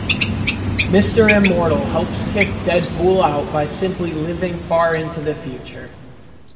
Mr. Immortal helps kick Deadpool out by simply living far into the future.